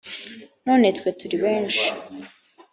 none twe turi benshi